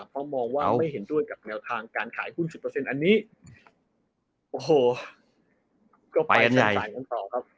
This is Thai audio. เพราะมองว่าไม่เห็นด้วยกับแนวทางการขายหุ้น๑๐อันนี้โอ้โหก็ไปจำหน่ายกันต่อครับ